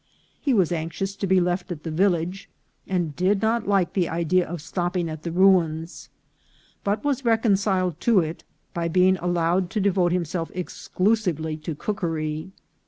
He was anxious to be left at the village, and did not like the idea of stopping at the ruins, but was reconciled to it by being allowed to devote himself exclusively to cook ery.